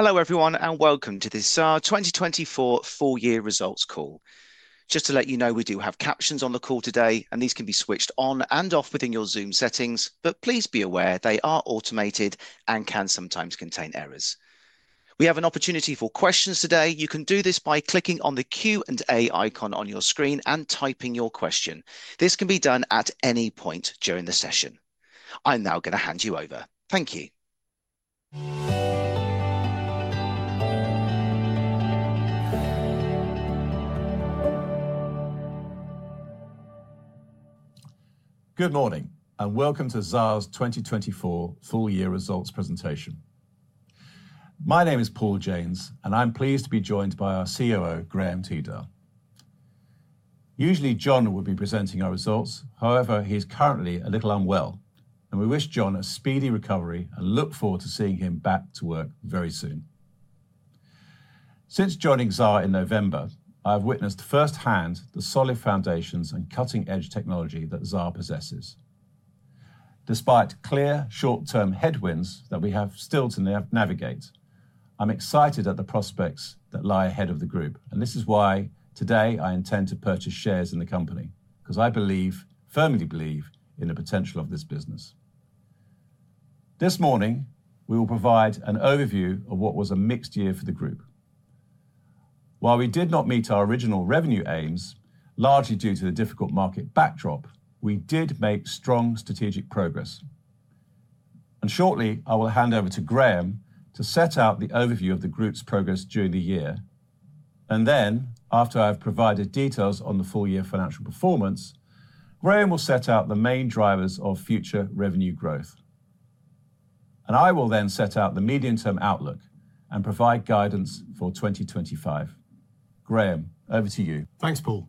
Hello everyone, and welcome to this Xaar 2024 Full Year Results Call. Just to let you know, we do have captions on the call today, and these can be switched on and off within your Zoom settings, but please be aware they are automated and can sometimes contain errors. We have an opportunity for questions today. You can do this by clicking on the Q and A icon on your screen and typing your question. This can be done at any point during the session. I'm now going to hand you over. Thank you. Good morning, and welcome to Xaar's 2024 Full Year Results Presentation. My name is Paul James, and I'm pleased to be joined by our COO, Graham Tweedale. Usually, John would be presenting our results; however, he's currently a little unwell, and we wish John a speedy recovery and look forward to seeing him back to work very soon. Since joining Xaar in November, I have witnessed firsthand the solid foundations and cutting-edge technology that Xaar possesses. Despite clear short-term headwinds that we have still to navigate, I'm excited at the prospects that lie ahead of the group, and this is why today I intend to purchase shares in the company, because I believe, firmly believe, in the potential of this business. This morning, we will provide an overview of what was a mixed year for the group. While we did not meet our original revenue aims, largely due to the difficult market backdrop, we did make strong strategic progress. Shortly, I will hand over to Graham to set out the overview of the group's progress during the year. After I have provided details on the full year financial performance, Graham will set out the main drivers of future revenue growth. I will then set out the medium-term outlook and provide guidance for 2025. Graham, over to you. Thanks, Paul.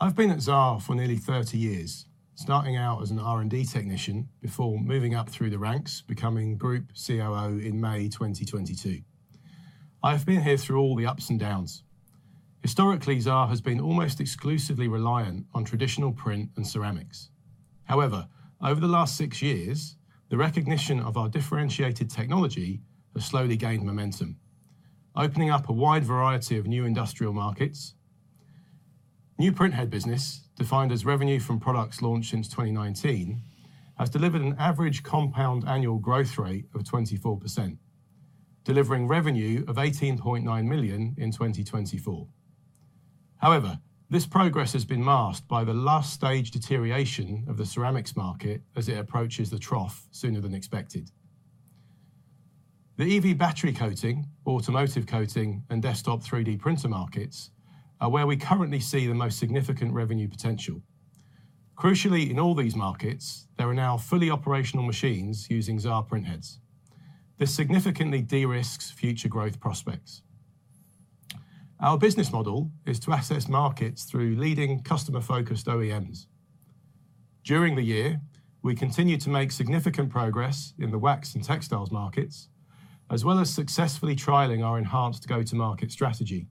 I've been at Xaar for nearly 30 years, starting out as an R&D technician before moving up through the ranks, becoming Group COO in May 2022. I have been here through all the ups and downs. Historically, Xaar has been almost exclusively reliant on traditional print and ceramics. However, over the last six years, the recognition of our differentiated technology has slowly gained momentum, opening up a wide variety of new industrial markets. New printhead business, defined as revenue from products launched since 2019, has delivered an average compound annual growth rate of 24%, delivering revenue of 18.9 million in 2024. However, this progress has been masked by the last-stage deterioration of the ceramics market as it approaches the trough sooner than expected. The EV battery coating, automotive coating, and desktop 3D printer markets are where we currently see the most significant revenue potential. Crucially, in all these markets, there are now fully operational machines using Xaar printheads. This significantly de-risks future growth prospects. Our business model is to assess markets through leading customer-focused OEMs. During the year, we continue to make significant progress in the wax and textiles markets, as well as successfully trialing our enhanced go-to-market strategy.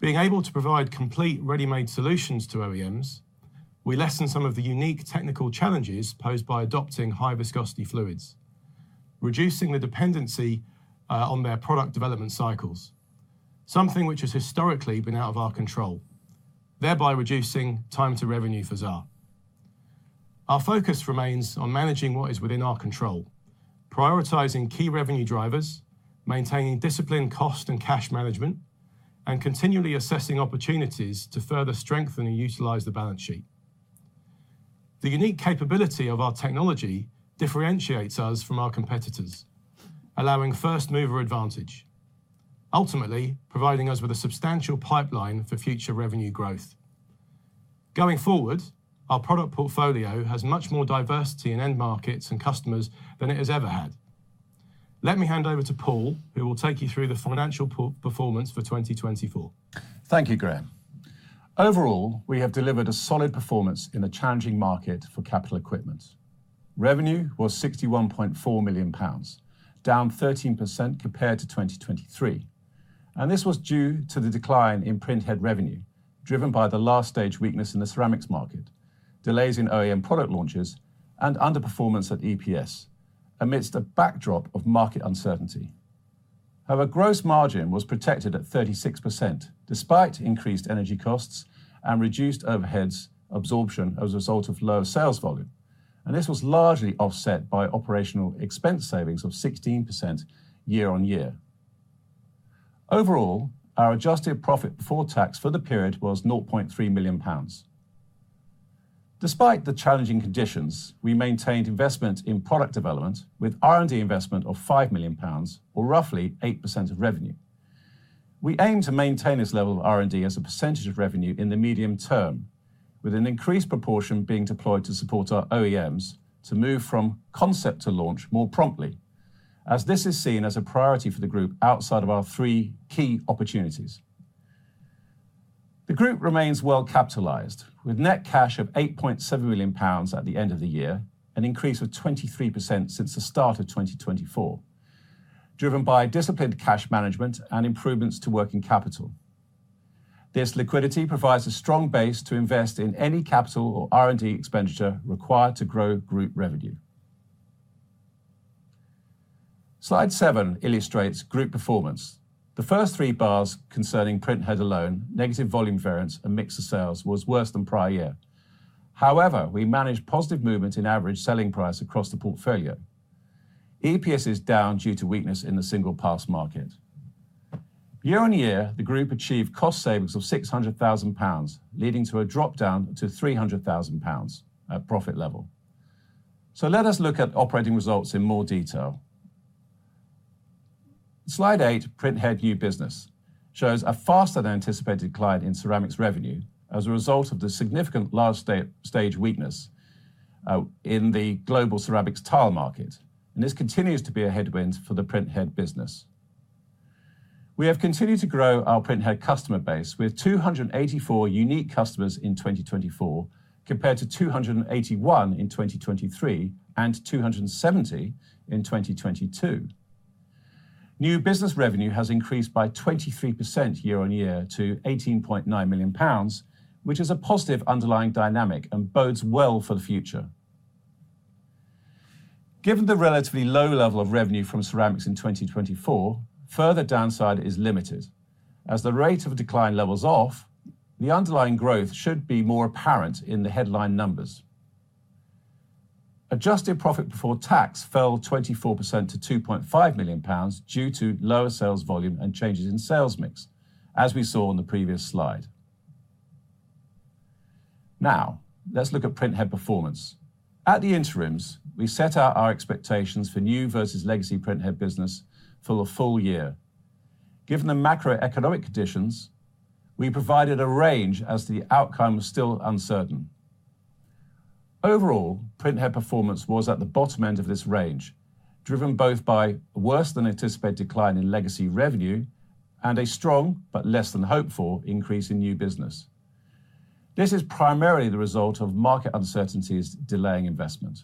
Being able to provide complete ready-made solutions to OEMs, we lessen some of the unique technical challenges posed by adopting high-viscosity fluids, reducing the dependency on their product development cycles, something which has historically been out of our control, thereby reducing time to revenue for Xaar. Our focus remains on managing what is within our control, prioritizing key revenue drivers, maintaining disciplined cost and cash management, and continually assessing opportunities to further strengthen and utilize the balance sheet. The unique capability of our technology differentiates us from our competitors, allowing first-mover advantage, ultimately providing us with a substantial pipeline for future revenue growth. Going forward, our product portfolio has much more diversity in end markets and customers than it has ever had. Let me hand over to Paul, who will take you through the financial performance for 2024. Thank you, Graham. Overall, we have delivered a solid performance in a challenging market for capital equipment. Revenue was 61.4 million pounds, down 13% compared to 2023, and this was due to the decline in printhead revenue driven by the last-stage weakness in the ceramics market, delays in OEM product launches, and underperformance at EPS, amidst a backdrop of market uncertainty. However, gross margin was protected at 36% despite increased energy costs and reduced overhead absorption as a result of low sales volume, and this was largely offset by operational expense savings of 16% year- on- year. Overall, our adjusted profit before tax for the period was 0.3 million pounds. Despite the challenging conditions, we maintained investment in product development with R&D investment of 5 million pounds, or roughly 8% of revenue. We aim to maintain this level of R&D as a percentage of revenue in the medium term, with an increased proportion being deployed to support our OEMs to move from concept to launch more promptly, as this is seen as a priority for the group outside of our three key opportunities. The group remains well capitalized, with net cash of 8.7 million pounds at the end of the year, an increase of 23% since the start of 2024, driven by disciplined cash management and improvements to working capital. This liquidity provides a strong base to invest in any capital or R&D expenditure required to grow group revenue. Slide 7 illustrates group performance. The first three bars concerning printhead alone, negative volume variance, and mix of sales was worse than prior year. However, we managed positive movement in average selling price across the portfolio. EPS is down due to weakness in the single-pass market. Year-on-year, the group achieved cost savings of 600,000 pounds, leading to a drop down to 300,000 pounds at profit level. Let us look at operating results in more detail. Slide 8, printhead new business, shows a faster than anticipated decline in ceramics revenue as a result of the significant last-stage weakness in the global ceramics tile market, and this continues to be a headwind for the printhead business. We have continued to grow our printhead customer base with 284 unique customers in 2024, compared to 281 in 2023 and 270 in 2022. New business revenue has increased by 23% year-on-year to 18.9 million pounds, which is a positive underlying dynamic and bodes well for the future. Given the relatively low level of revenue from ceramics in 2024, further downside is limited. As the rate of decline levels off, the underlying growth should be more apparent in the headline numbers. Adjusted profit before tax fell 24% to 2.5 million pounds due to lower sales volume and changes in sales mix, as we saw on the previous slide. Now, let's look at printhead performance. At the interims, we set out our expectations for new versus legacy printhead business for the full year. Given the macroeconomic conditions, we provided a range as the outcome was still uncertain. Overall, printhead performance was at the bottom end of this range, driven both by a worse than anticipated decline in legacy revenue and a strong, but less than hopeful, increase in new business. This is primarily the result of market uncertainties delaying investment.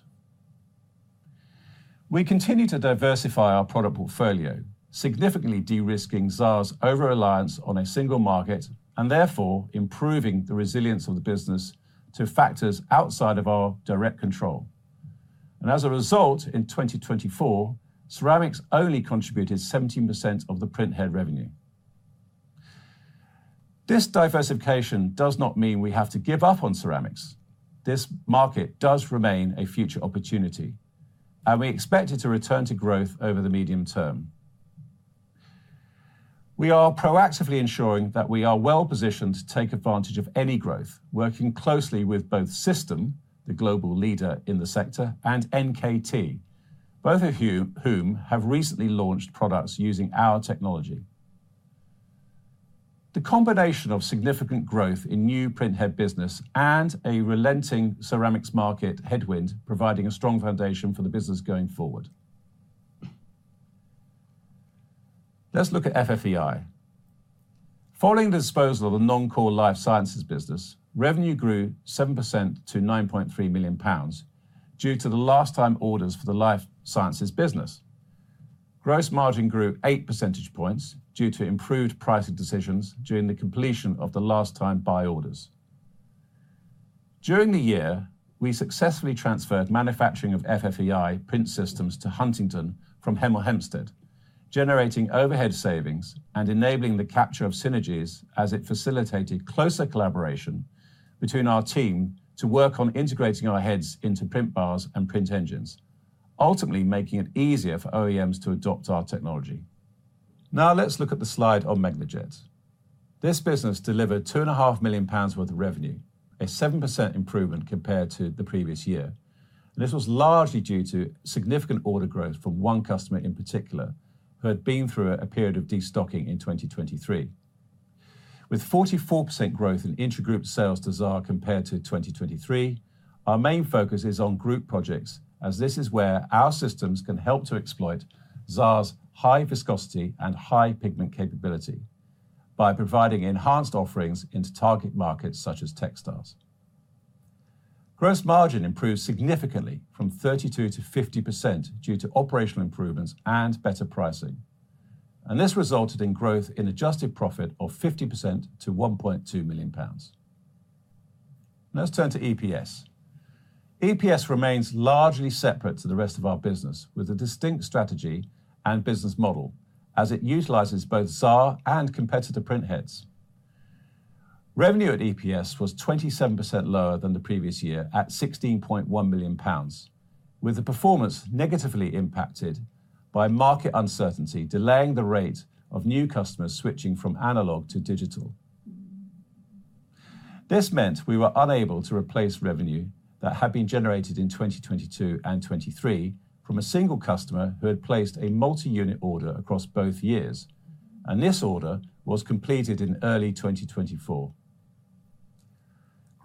We continue to diversify our product portfolio, significantly de-risking Xaar's over-reliance on a single market and therefore improving the resilience of the business to factors outside of our direct control. As a result, in 2024, ceramics only contributed 17% of the printhead revenue. This diversification does not mean we have to give up on ceramics. This market does remain a future opportunity, and we expect it to return to growth over the medium term. We are proactively ensuring that we are well positioned to take advantage of any growth, working closely with both System, the global leader in the sector, and NKT, both of whom have recently launched products using our technology. The combination of significant growth in new printhead business and a relenting ceramics market headwind provides a strong foundation for the business going forward. Let's look at FFEI. Following the disposal of the non-core life sciences business, revenue grew 7% to 9.3 million pounds due to the last-time orders for the life sciences business. Gross margin grew 8 percentage points due to improved pricing decisions during the completion of the last-time buy orders. During the year, we successfully transferred manufacturing of FFEI print systems to Huntingdon from Hemel Hempstead, generating overhead savings and enabling the capture of synergies as it facilitated closer collaboration between our team to work on integrating our heads into print bars and print engines, ultimately making it easier for OEMs to adopt our technology. Now, let's look at the slide on Megnajet. This business delivered 2.5 million pounds worth of revenue, a 7% improvement compared to the previous year. This was largely due to significant order growth from one customer in particular, who had been through a period of destocking in 2023. With 44% growth in inter-group sales to Xaar compared to 2023, our main focus is on group projects, as this is where our systems can help to exploit Xaar's high viscosity and high pigment capability by providing enhanced offerings into target markets such as textiles. Gross margin improved significantly from 32% to 50% due to operational improvements and better pricing. This resulted in growth in adjusted profit of 50% to GBP 1.2 million. Let's turn to EPS. EPS remains largely separate to the rest of our business, with a distinct strategy and business model, as it utilizes both Xaar and competitor printheads. Revenue at EPS was 27% lower than the previous year at GBP 16.1 million, with the performance negatively impacted by market uncertainty delaying the rate of new customers switching from analog to digital. This meant we were unable to replace revenue that had been generated in 2022 and 2023 from a single customer who had placed a multi-unit order across both years, and this order was completed in early 2024.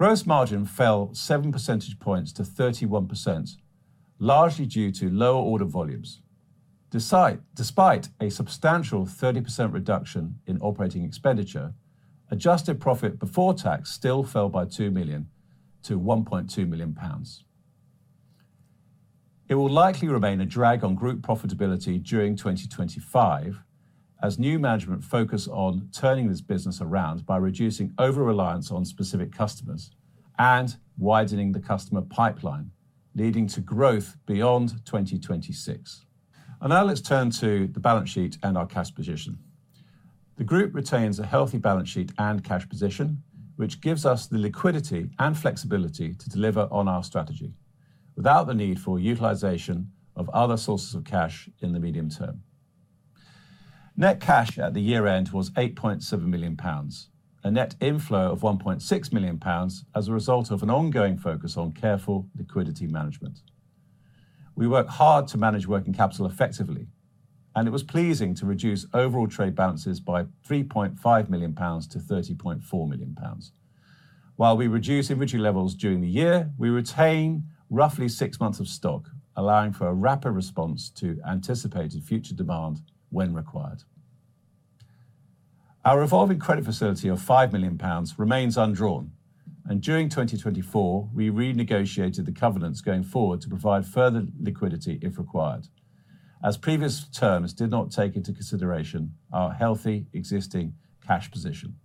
Gross margin fell 7 percentage points to 31%, largely due to lower order volumes. Despite a substantial 30% reduction in operating expenditure, adjusted profit before tax still fell by 2 million to 1.2 million pounds. It will likely remain a drag on group profitability during 2025, as new management focus on turning this business around by reducing over-reliance on specific customers and widening the customer pipeline, leading to growth beyond 2026. Now let's turn to the balance sheet and our cash position. The group retains a healthy balance sheet and cash position, which gives us the liquidity and flexibility to deliver on our strategy without the need for utilization of other sources of cash in the medium term. Net cash at the year-end was 8.7 million pounds, a net inflow of 1.6 million pounds as a result of an ongoing focus on careful liquidity management. We work hard to manage working capital effectively, and it was pleasing to reduce overall trade balances by 3.5 million pounds to 30.4 million pounds. While we reduce inventory levels during the year, we retain roughly six months of stock, allowing for a rapid response to anticipated future demand when required. Our evolving credit facility of 5 million pounds remains undrawn, and during 2024, we renegotiated the covenants going forward to provide further liquidity if required, as previous terms did not take into consideration our healthy existing cash position.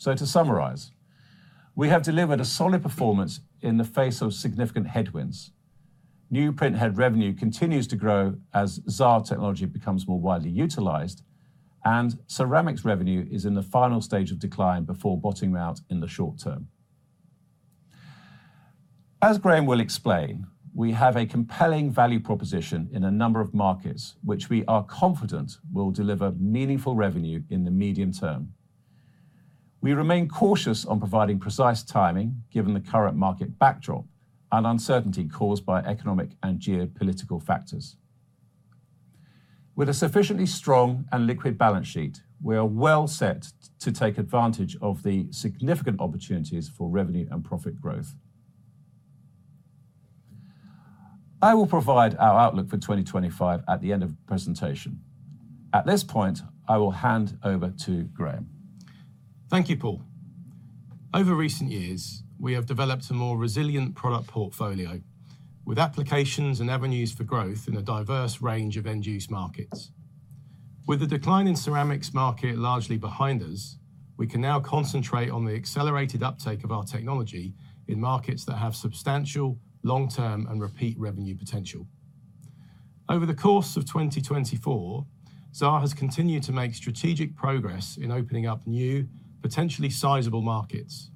To summarize, we have delivered a solid performance in the face of significant headwinds. New printhead revenue continues to grow as Xaar technology becomes more widely utilized, and ceramics revenue is in the final stage of decline before bottoming out in the short term. As Graham will explain, we have a compelling value proposition in a number of markets, which we are confident will deliver meaningful revenue in the medium term. We remain cautious on providing precise timing given the current market backdrop and uncertainty caused by economic and geopolitical factors. With a sufficiently strong and liquid balance sheet, we are well set to take advantage of the significant opportunities for revenue and profit growth. I will provide our outlook for 2025 at the end of the presentation. At this point, I will hand over to Graham. Thank you, Paul. Over recent years, we have developed a more resilient product portfolio with applications and avenues for growth in a diverse range of end-use markets. With the decline in ceramics market largely behind us, we can now concentrate on the accelerated uptake of our technology in markets that have substantial long-term and repeat revenue potential. Over the course of 2024, Xaar has continued to make strategic progress in opening up new, potentially sizable markets,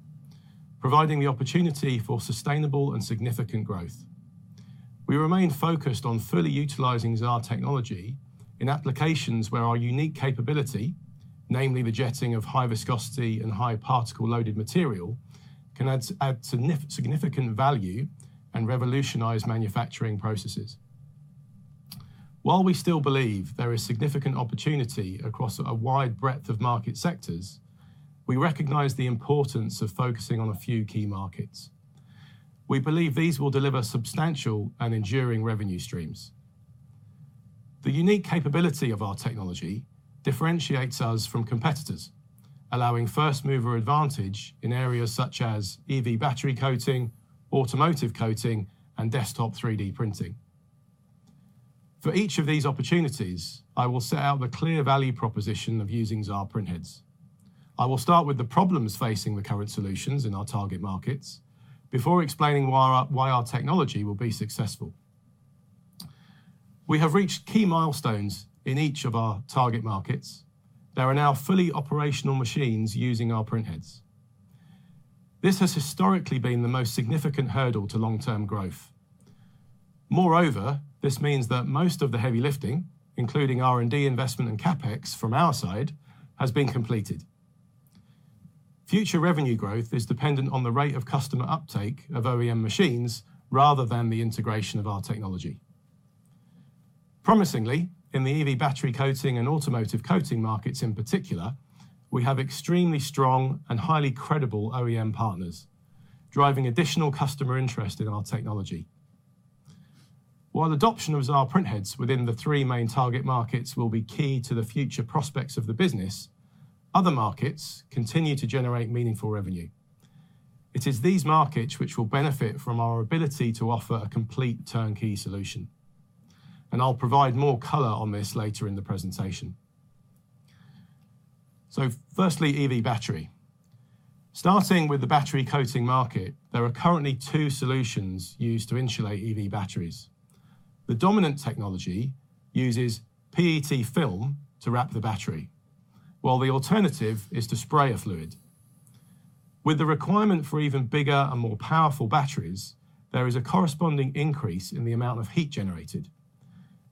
providing the opportunity for sustainable and significant growth. We remain focused on fully utilizing Xaar technology in applications where our unique capability, namely the jetting of high viscosity and high particle-loaded material, can add significant value and revolutionize manufacturing processes. While we still believe there is significant opportunity across a wide breadth of market sectors, we recognize the importance of focusing on a few key markets. We believe these will deliver substantial and enduring revenue streams. The unique capability of our technology differentiates us from competitors, allowing first-mover advantage in areas such as EV battery coating, automotive coating, and desktop 3D printing. For each of these opportunities, I will set out the clear value proposition of using Xaar printheads. I will start with the problems facing the current solutions in our target markets before explaining why our technology will be successful. We have reached key milestones in each of our target markets. There are now fully operational machines using our printheads. This has historically been the most significant hurdle to long-term growth. Moreover, this means that most of the heavy lifting, including R&D investment and CapEx from our side, has been completed. Future revenue growth is dependent on the rate of customer uptake of OEM machines rather than the integration of our technology. Promisingly, in the EV battery coating and automotive coating markets in particular, we have extremely strong and highly credible OEM partners, driving additional customer interest in our technology. While adoption of Xaar printheads within the three main target markets will be key to the future prospects of the business, other markets continue to generate meaningful revenue. It is these markets which will benefit from our ability to offer a complete turnkey solution. I'll provide more color on this later in the presentation. Firstly, EV battery. Starting with the battery coating market, there are currently two solutions used to insulate EV batteries. The dominant technology uses PET film to wrap the battery, while the alternative is to spray a fluid. With the requirement for even bigger and more powerful batteries, there is a corresponding increase in the amount of heat generated.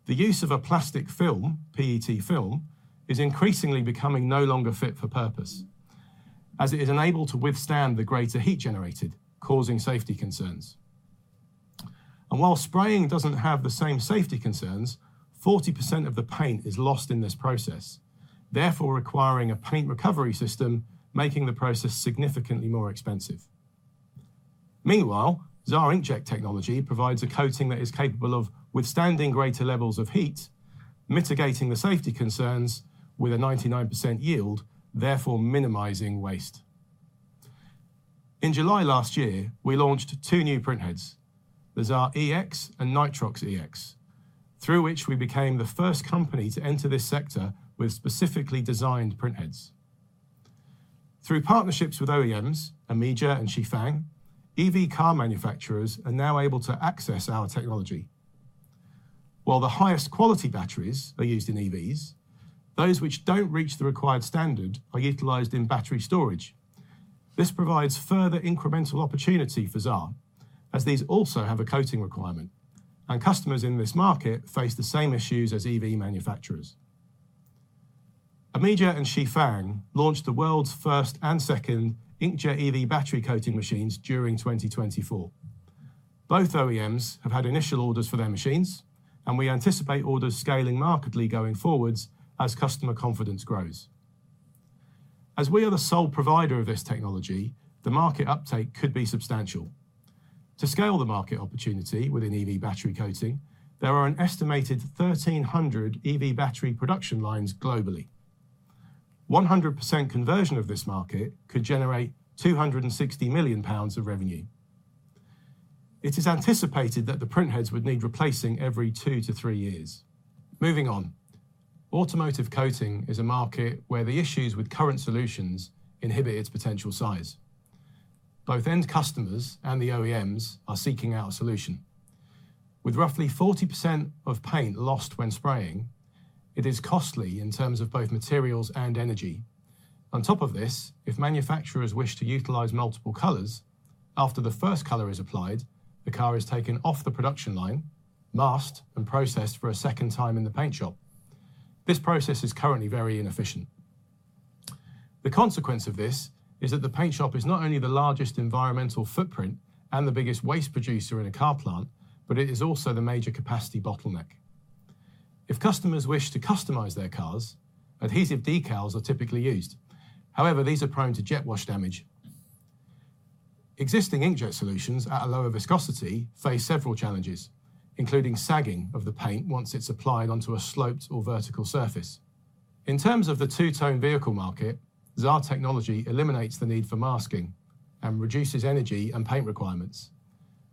The use of a plastic film, PET film, is increasingly becoming no longer fit for purpose, as it is unable to withstand the greater heat generated, causing safety concerns. While spraying does not have the same safety concerns, 40% of the paint is lost in this process, therefore requiring a paint recovery system, making the process significantly more expensive. Meanwhile, Xaar inkjet technology provides a coating that is capable of withstanding greater levels of heat, mitigating the safety concerns with a 99% yield, therefore minimizing waste. In July last year, we launched two new printheads, the Xaar EX and Nitrox EX, through which we became the first company to enter this sector with specifically designed printheads. Through partnerships with OEMs, Amiga and Xifang, EV car manufacturers are now able to access our technology. While the highest quality batteries are used in EVs, those which do not reach the required standard are utilized in battery storage. This provides further incremental opportunity for Xaar, as these also have a coating requirement, and customers in this market face the same issues as EV manufacturers. Amiga and Xifang launched the world's first and second inkjet EV battery coating machines during 2024. Both OEMs have had initial orders for their machines, and we anticipate orders scaling markedly going forwards as customer confidence grows. As we are the sole provider of this technology, the market uptake could be substantial. To scale the market opportunity within EV battery coating, there are an estimated 1,300 EV battery production lines globally. 100% conversion of this market could generate 260 million pounds of revenue. It is anticipated that the printheads would need replacing every two to three years. Moving on, automotive coating is a market where the issues with current solutions inhibit its potential size. Both end customers and the OEMs are seeking out a solution. With roughly 40% of paint lost when spraying, it is costly in terms of both materials and energy. On top of this, if manufacturers wish to utilize multiple colors, after the first color is applied, the car is taken off the production line, masked, and processed for a second time in the paint shop. This process is currently very inefficient. The consequence of this is that the paint shop is not only the largest environmental footprint and the biggest waste producer in a car plant, but it is also the major capacity bottleneck. If customers wish to customize their cars, adhesive decals are typically used. However, these are prone to jet wash damage. Existing inkjet solutions at a lower viscosity face several challenges, including sagging of the paint once it's applied onto a sloped or vertical surface. In terms of the two-tone vehicle market, Xaar technology eliminates the need for masking and reduces energy and paint requirements,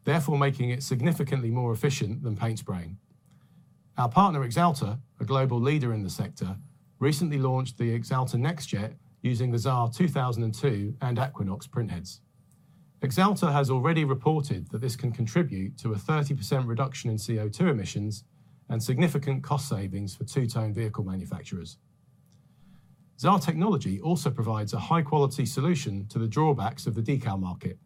therefore making it significantly more efficient than paint spraying. Our partner Axalta, a global leader in the sector, recently launched the Axalta Nextjet using the Xaar 2002 and Aquinox printheads. Axalta has already reported that this can contribute to a 30% reduction in CO2 emissions and significant cost savings for two-tone vehicle manufacturers. Xaar technology also provides a high-quality solution to the drawbacks of the decal market.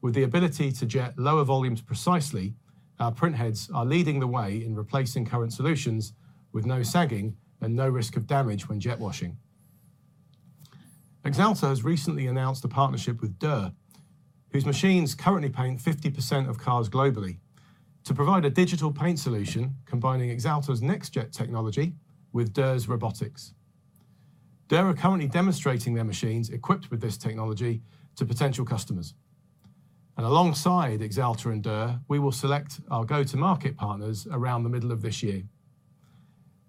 With the ability to jet lower volumes precisely, our printheads are leading the way in replacing current solutions with no sagging and no risk of damage when jet washing. Axalta has recently announced a partnership with Dürr, whose machines currently paint 50% of cars globally, to provide a digital paint solution combining Axalta Nextjet technology with Dürr's robotics. Dürr are currently demonstrating their machines equipped with this technology to potential customers. Alongside Axalta and Dürr, we will select our go-to-market partners around the middle of this year.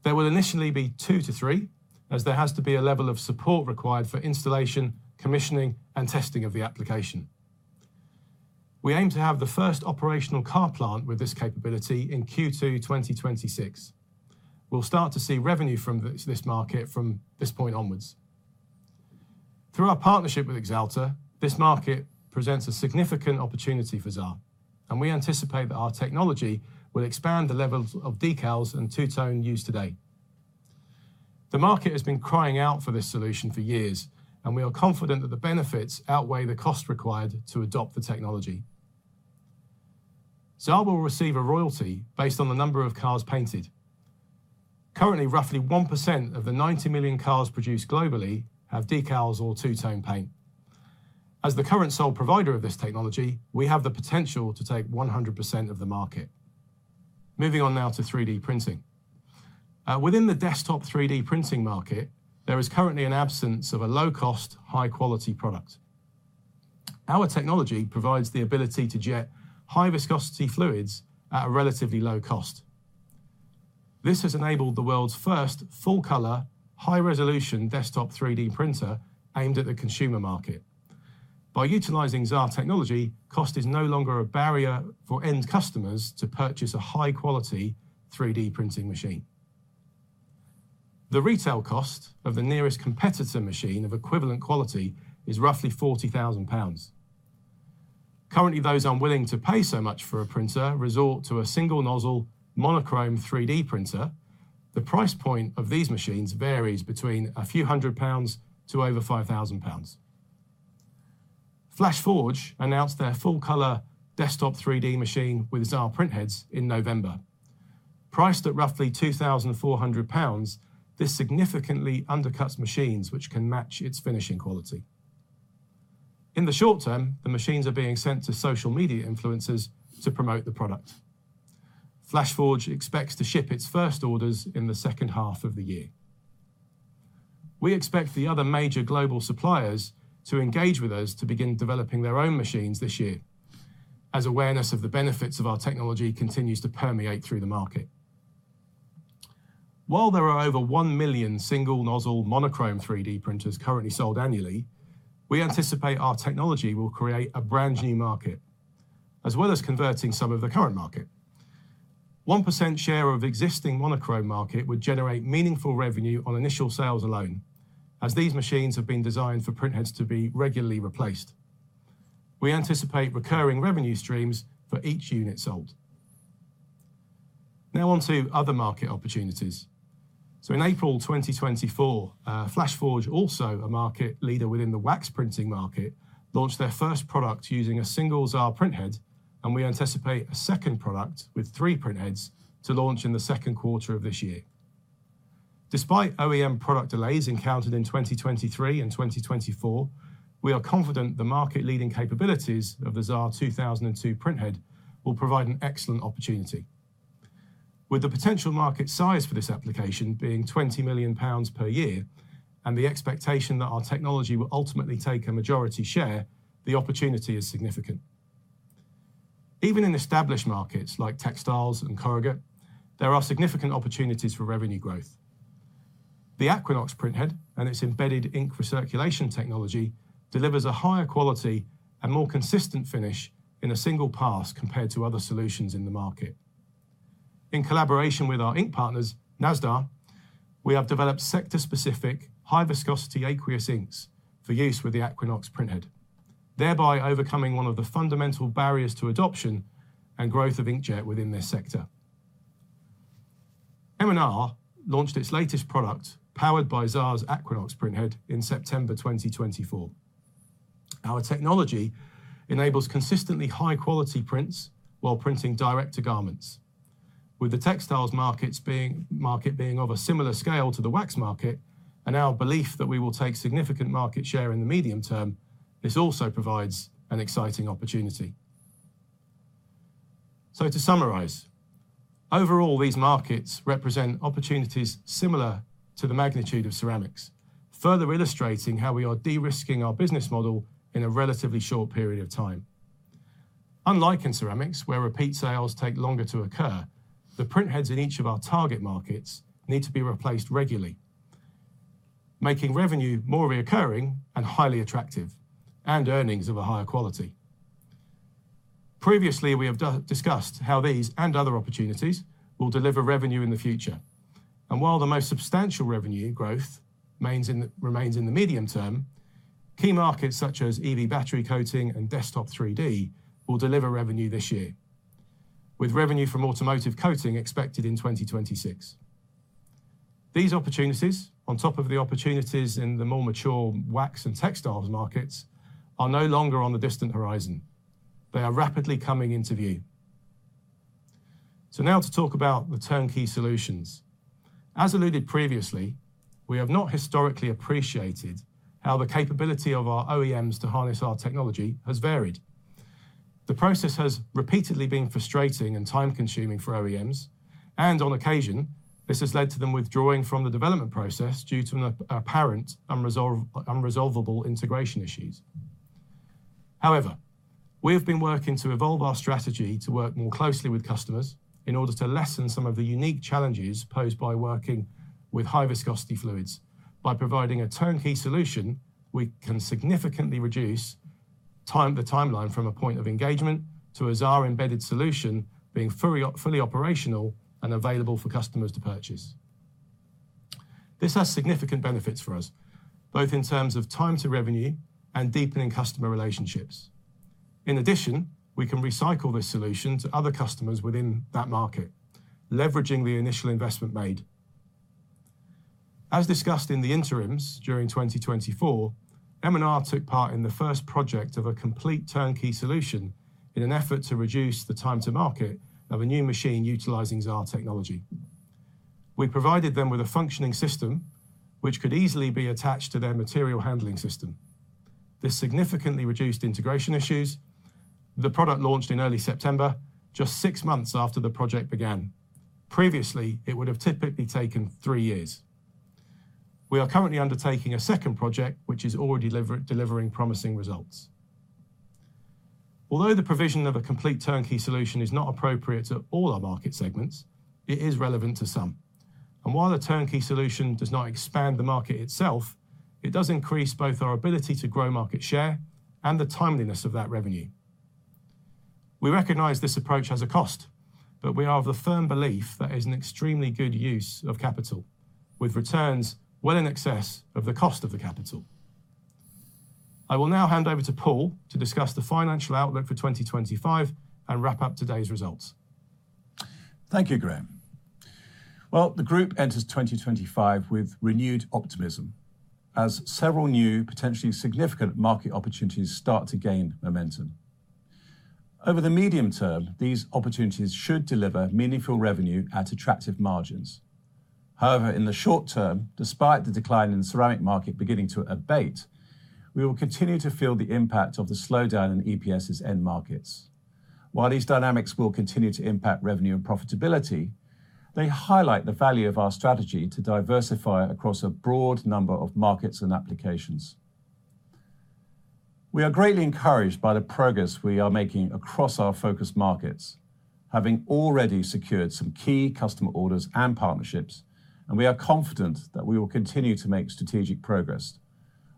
There will initially be two to three, as there has to be a level of support required for installation, commissioning, and testing of the application. We aim to have the first operational car plant with this capability in Q2 2026. We'll start to see revenue from this market from this point onwards. Through our partnership with Axalta, this market presents a significant opportunity for Xaar, and we anticipate that our technology will expand the levels of decals and two-tone used today. The market has been crying out for this solution for years, and we are confident that the benefits outweigh the cost required to adopt the technology. Xaar will receive a royalty based on the number of cars painted. Currently, roughly 1% of the 90 million cars produced globally have decals or two-tone paint. As the current sole provider of this technology, we have the potential to take 100% of the market. Moving on now to 3D printing. Within the desktop 3D printing market, there is currently an absence of a low-cost, high-quality product. Our technology provides the ability to jet high-viscosity fluids at a relatively low cost. This has enabled the world's first full-color, high-resolution desktop 3D printer aimed at the consumer market. By utilizing Xaar technology, cost is no longer a barrier for end customers to purchase a high-quality 3D printing machine. The retail cost of the nearest competitor machine of equivalent quality is roughly 40,000 pounds. Currently, those unwilling to pay so much for a printer resort to a single nozzle monochrome 3D printer. The price point of these machines varies between a few hundred pounds to over 5,000 pounds. FlashForge announced their full-color desktop 3D machine with Xaar printheads in November. Priced at roughly 2,400 pounds, this significantly undercuts machines which can match its finishing quality. In the short term, the machines are being sent to social media influencers to promote the product. FlashForge expects to ship its first orders in the second half of the year. We expect the other major global suppliers to engage with us to begin developing their own machines this year, as awareness of the benefits of our technology continues to permeate through the market. While there are over 1 million single nozzle monochrome 3D printers currently sold annually, we anticipate our technology will create a brand new market, as well as converting some of the current market. 1% share of existing monochrome market would generate meaningful revenue on initial sales alone, as these machines have been designed for printheads to be regularly replaced. We anticipate recurring revenue streams for each unit sold. Now on to other market opportunities. In April 2024, FlashForge, also a market leader within the wax printing market, launched their first product using a single Xaar printhead, and we anticipate a second product with three printheads to launch in the second quarter of this year. Despite OEM product delays encountered in 2023 and 2024, we are confident the market-leading capabilities of the Xaar 2002 printhead will provide an excellent opportunity. With the potential market size for this application being 20 million pounds per year and the expectation that our technology will ultimately take a majority share, the opportunity is significant. Even in established markets like textiles and corrugate, there are significant opportunities for revenue growth. The Aquinox printhead and its embedded ink recirculation technology delivers a higher quality and more consistent finish in a single pass compared to other solutions in the market. In collaboration with our ink partners, Nazdar, we have developed sector-specific high-viscosity aqueous inks for use with the Aquinox printhead, thereby overcoming one of the fundamental barriers to adoption and growth of inkjet within this sector. M&R launched its latest product powered by Xaar's Aquinox printhead in September 2024. Our technology enables consistently high-quality prints while printing direct to garments. With the textiles market being of a similar scale to the wax market and our belief that we will take significant market share in the medium term, this also provides an exciting opportunity. To summarize, overall, these markets represent opportunities similar to the magnitude of ceramics, further illustrating how we are de-risking our business model in a relatively short period of time. Unlike in ceramics, where repeat sales take longer to occur, the printheads in each of our target markets need to be replaced regularly, making revenue more reoccurring and highly attractive, and earnings of a higher quality. Previously, we have discussed how these and other opportunities will deliver revenue in the future. While the most substantial revenue growth remains in the medium term, key markets such as EV battery coating and desktop 3D will deliver revenue this year, with revenue from automotive coating expected in 2026. These opportunities, on top of the opportunities in the more mature wax and textiles markets, are no longer on the distant horizon. They are rapidly coming into view. Now to talk about the turnkey solutions. As alluded previously, we have not historically appreciated how the capability of our OEMs to harness our technology has varied. The process has repeatedly been frustrating and time-consuming for OEMs, and on occasion, this has led to them withdrawing from the development process due to apparent unresolvable integration issues. However, we have been working to evolve our strategy to work more closely with customers in order to lessen some of the unique challenges posed by working with high-viscosity fluids. By providing a turnkey solution, we can significantly reduce the timeline from a point of engagement to a Xaar embedded solution being fully operational and available for customers to purchase. This has significant benefits for us, both in terms of time to revenue and deepening customer relationships. In addition, we can recycle this solution to other customers within that market, leveraging the initial investment made. As discussed in the interims during 2024, M&R took part in the first project of a complete turnkey solution in an effort to reduce the time to market of a new machine utilizing Xaar technology. We provided them with a functioning system which could easily be attached to their material handling system. This significantly reduced integration issues. The product launched in early September, just six months after the project began. Previously, it would have typically taken three years. We are currently undertaking a second project which is already delivering promising results. Although the provision of a complete turnkey solution is not appropriate to all our market segments, it is relevant to some. While the turnkey solution does not expand the market itself, it does increase both our ability to grow market share and the timeliness of that revenue. We recognize this approach has a cost, but we are of the firm belief that it is an extremely good use of capital, with returns well in excess of the cost of the capital. I will now hand over to Paul to discuss the financial outlook for 2025 and wrap up today's results. Thank you, Graham. The group enters 2025 with renewed optimism as several new, potentially significant market opportunities start to gain momentum. Over the medium term, these opportunities should deliver meaningful revenue at attractive margins. However, in the short term, despite the decline in the ceramic market beginning to abate, we will continue to feel the impact of the slowdown in EPS's end markets. While these dynamics will continue to impact revenue and profitability, they highlight the value of our strategy to diversify across a broad number of markets and applications. We are greatly encouraged by the progress we are making across our focus markets, having already secured some key customer orders and partnerships, and we are confident that we will continue to make strategic progress,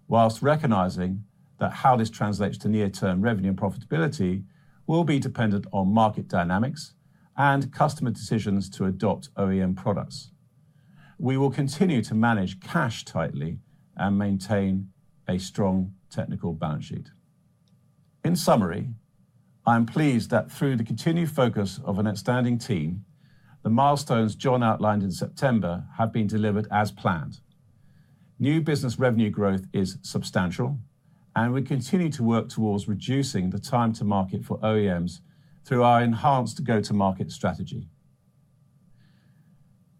whilst recognizing that how this translates to near-term revenue and profitability will be dependent on market dynamics and customer decisions to adopt OEM products. We will continue to manage cash tightly and maintain a strong technical balance sheet. In summary, I am pleased that through the continued focus of an outstanding team, the milestones John outlined in September have been delivered as planned. New business revenue growth is substantial, and we continue to work towards reducing the time to market for OEMs through our enhanced go-to-market strategy.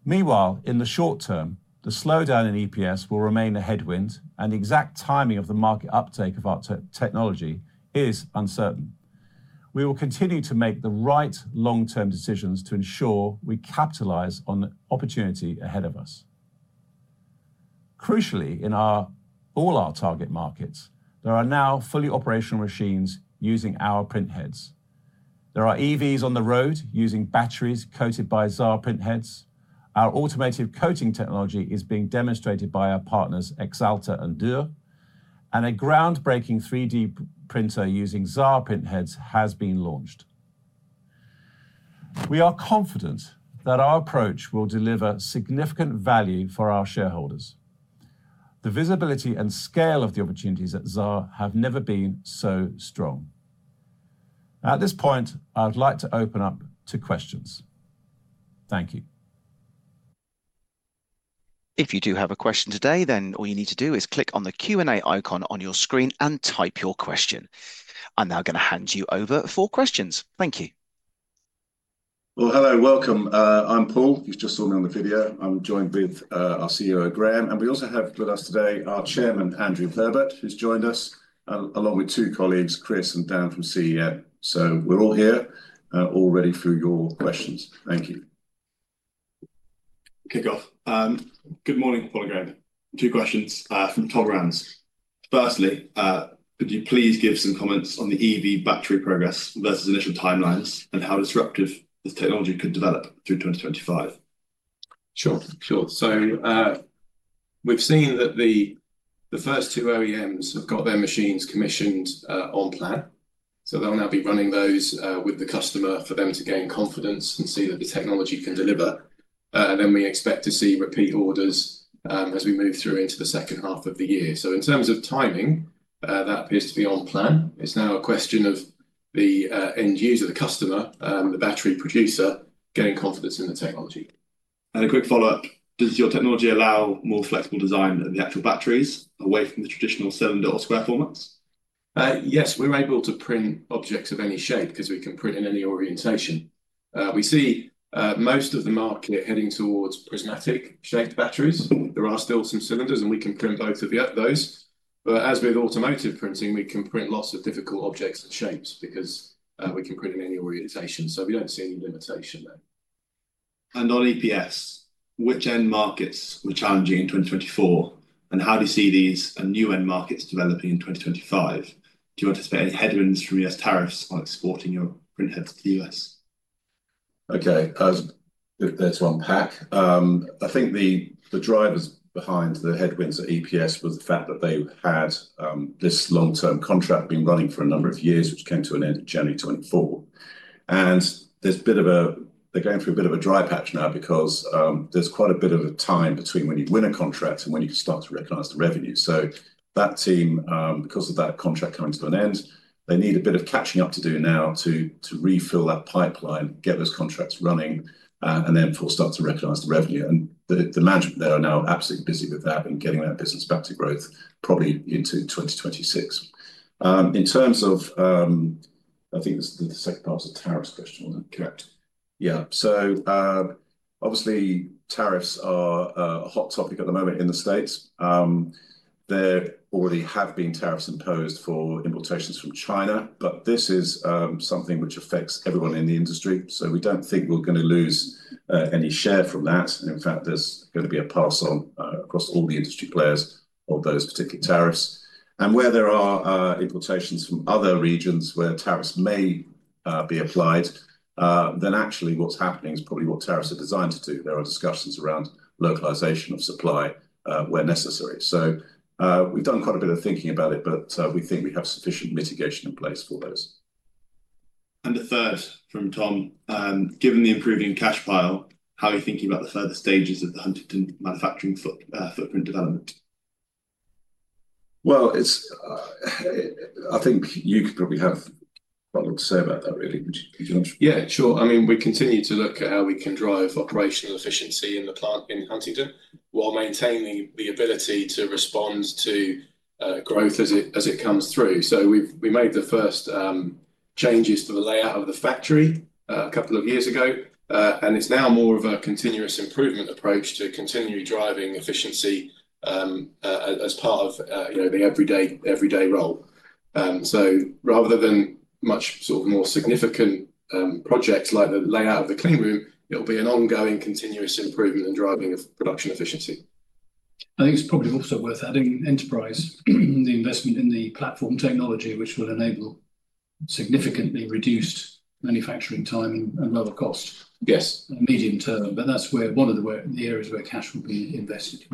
Meanwhile, in the short term, the slowdown in EPS will remain a headwind, and the exact timing of the market uptake of our technology is uncertain. We will continue to make the right long-term decisions to ensure we capitalize on the opportunity ahead of us. Crucially, in all our target markets, there are now fully operational machines using our printheads. There are EVs on the road using batteries coated by Xaar printheads. Our automated coating technology is being demonstrated by our partners, Axalta and Dürr, and a groundbreaking 3D printer using Xaar printheads has been launched. We are confident that our approach will deliver significant value for our shareholders. The visibility and scale of the opportunities at Xaar have never been so strong. At this point, I would like to open up to questions. Thank you. If you do have a question today, then all you need to do is click on the Q&A icon on your screen and type your question. I'm now going to hand you over for questions. Thank you. Hello, welcome. I'm Paul. You just saw me on the video. I'm joined with our COO, Graham, and we also have with us today our Chairman, Andrew Herbert, who's joined us along with two colleagues, Chris and Dan from CEN. We are all here, all ready for your questions. Thank you. Kick off. Good morning, Paul and Graham. Two questions from Tom Rams. Firstly, could you please give some comments on the EV battery progress versus initial timelines and how disruptive this technology could develop through 2025? Sure, sure. We have seen that the first two OEMs have got their machines commissioned on plan. They'll now be running those with the customer for them to gain confidence and see that the technology can deliver. We expect to see repeat orders as we move through into the second half of the year. In terms of timing, that appears to be on plan. It's now a question of the end user, the customer, the battery producer getting confidence in the technology. A quick follow-up. Does your technology allow more flexible design of the actual batteries away from the traditional cylinder or square formats? Yes, we're able to print objects of any shape because we can print in any orientation. We see most of the market heading towards prismatic-shaped batteries. There are still some cylinders, and we can print both of those. As with automotive printing, we can print lots of difficult objects and shapes because we can print in any orientation. We do not see any limitation there. On EPS, which end markets were challenging in 2024? How do you see these new end markets developing in 2025? Do you anticipate any headwinds from U.S. tariffs on exporting your printheads to the U.S.? Okay, that is one pack. I think the drivers behind the headwinds at EPS was the fact that they had this long-term contract that had been running for a number of years, which came to an end in January 2024. There is a bit of a—they are going through a bit of a dry patch now because there is quite a bit of a time between when you win a contract and when you start to recognize the revenue. That team, because of that contract coming to an end, need a bit of catching up to do now to refill that pipeline, get those contracts running, and then start to recognize the revenue. The management there are now absolutely busy with that and getting that business back to growth probably into 2026. In terms of—I think the second part was a tariffs question, was it not? Correct. Yeah. Obviously, tariffs are a hot topic at the moment in the U.S. There already have been tariffs imposed for importations from China, but this is something which affects everyone in the industry. We do not think we are going to lose any share from that. In fact, there is going to be a pass on across all the industry players of those particular tariffs. Where there are importations from other regions where tariffs may be applied, actually what's happening is probably what tariffs are designed to do. There are discussions around localization of supply where necessary. We have done quite a bit of thinking about it, but we think we have sufficient mitigation in place for those. The third from Tom, given the improving cash pile, how are you thinking about the further stages of the Huntingdon manufacturing footprint development? I think you could probably have quite a lot to say about that, really. Yeah, sure. I mean, we continue to look at how we can drive operational efficiency in the plant in Huntingdon while maintaining the ability to respond to growth as it comes through. We made the first changes to the layout of the factory a couple of years ago, and it's now more of a continuous improvement approach to continually driving efficiency as part of the everyday role. Rather than much sort of more significant projects like the layout of the cleanroom, it'll be an ongoing continuous improvement and driving of production efficiency. I think it's probably also worth adding enterprise, the investment in the platform technology, which will enable significantly reduced manufacturing time and lower cost. Yes. Medium term, but that's where one of the areas where cash will be invested.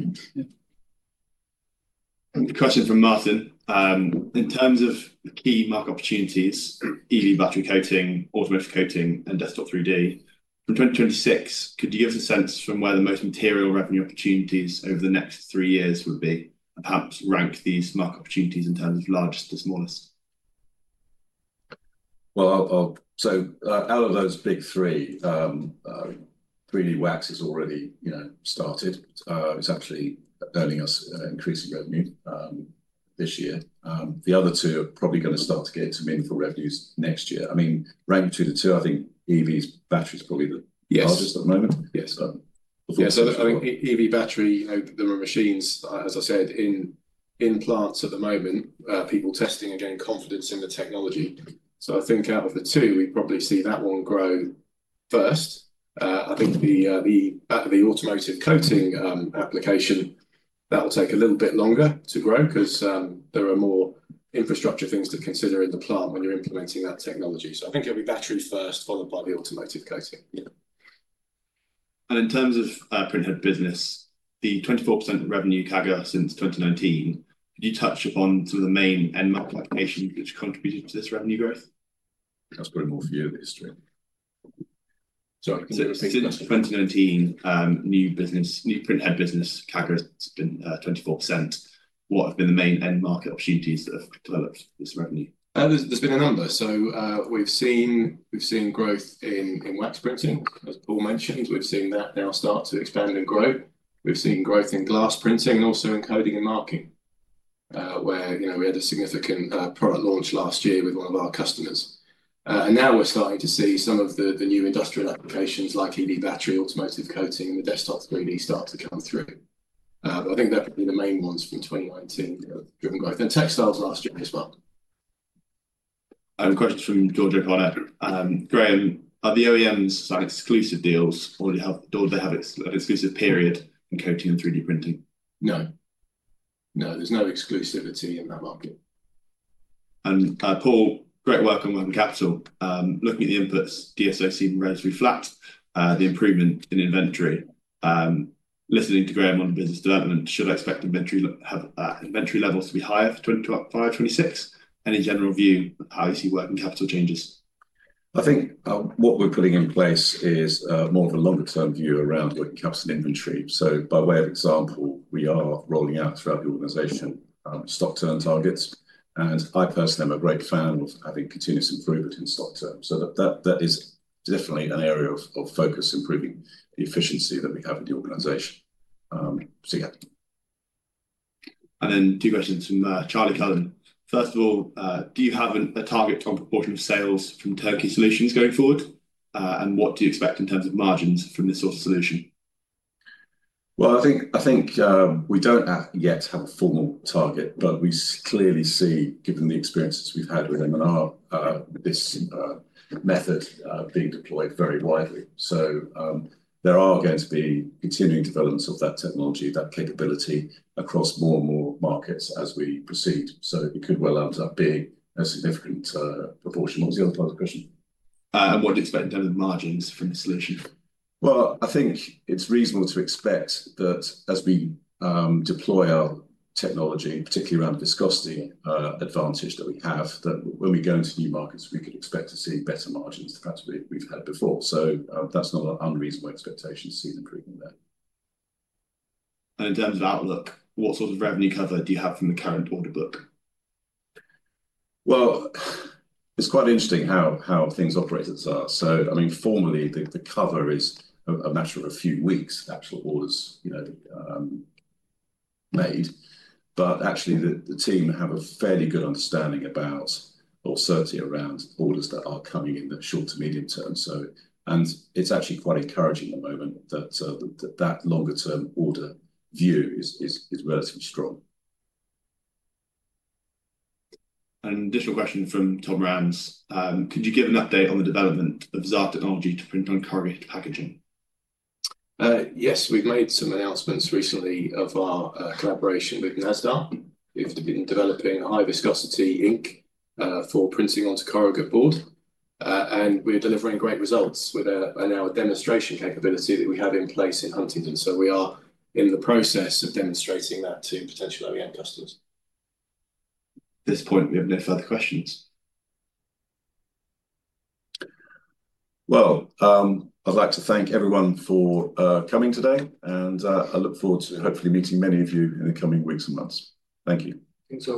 Question from Martin. In terms of key market opportunities, EV battery coating, automotive coating, and desktop 3D, from 2026, could you give us a sense from where the most material revenue opportunities over the next three years would be and perhaps rank these market opportunities in terms of largest to smallest? Out of those big three, 3D wax has already started. It's actually earning us increasing revenue this year. The other two are probably going to start to get into meaningful revenues next year. I mean, ranked between the two, I think EV battery is probably the largest at the moment. Yes. EV battery, there are machines, as I said, in plants at the moment, people testing and getting confidence in the technology. I think out of the two, we probably see that one grow first. I think the automotive coating application, that will take a little bit longer to grow because there are more infrastructure things to consider in the plant when you're implementing that technology. I think it'll be battery first, followed by the automotive coating. Yeah. In terms of printhead business, the 24% revenue CAGR since 2019, could you touch upon some of the main end market applications which contributed to this revenue growth? That's probably more for you in the history. Since 2019, new printhead business CAGR has been 24%. What have been the main end market opportunities that have developed this revenue? There's been a number. We've seen growth in wax printing, as Paul mentioned. We've seen that now start to expand and grow. We've seen growth in glass printing and also in coating and marking, where we had a significant product launch last year with one of our customers. Now we're starting to see some of the new industrial applications like EV battery, automotive coating, and the desktop 3D start to come through. I think they're probably the main ones from 2019 that have driven growth. Textiles last year as well. A question from Georgia Connor. Graham, are the OEMs exclusive deals or do they have an exclusive period in coating and 3D printing? No. No, there's no exclusivity in that market. Paul, great work on working capital. Looking at the inputs, DSO and [Rosary Flat], the improvement in inventory. Listening to Graham on business development, should I expect inventory levels to be higher for 2025-2026? Any general view of how you see working capital changes? I think what we're putting in place is more of a longer-term view around working capital inventory. By way of example, we are rolling out throughout the organization stock turn targets. I personally am a great fan of having continuous improvement in stock turn. That is definitely an area of focus, improving the efficiency that we have in the organization. Yeah. Two questions from Charlie Cullen. First of all, do you have a target on proportion of sales from turnkey solutions going forward? What do you expect in terms of margins from this sort of solution? I think we don't yet have a formal target, but we clearly see, given the experiences we've had with M&R, this method being deployed very widely. There are going to be continuing developments of that technology, that capability across more and more markets as we proceed. It could well end up being a significant proportion. What was the other part of the question? What do you expect in terms of margins from the solution? I think it's reasonable to expect that as we deploy our technology, particularly around the viscosity advantage that we have, that when we go into new markets, we could expect to see better margins than perhaps we've had before. That's not an unreasonable expectation to see an improvement there. In terms of outlook, what sort of revenue cover do you have from the current order book? It's quite interesting how things operate at the start. I mean, formally, the cover is a matter of a few weeks, actual orders made. Actually, the team have a fairly good understanding about or certainty around orders that are coming in the short to medium term. It's actually quite encouraging at the moment that that longer-term order view is relatively strong. An additional question from Tom Rams. Could you give an update on the development of Xaar technology to print on corrugated packaging? Yes, we've made some announcements recently of our collaboration with Nazdar. We've been developing high viscosity ink for printing onto corrugate board. We're delivering great results with our demonstration capability that we have in place in Huntingdon. We are in the process of demonstrating that to potential OEM customers. At this point, we have no further questions. I would like to thank everyone for coming today. I look forward to hopefully meeting many of you in the coming weeks and months. Thank you. Thanks.